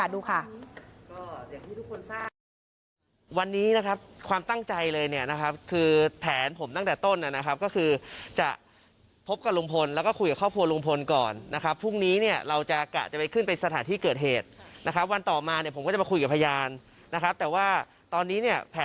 เดี๋ยวไปลองฟังบรรยากาศดูค่ะ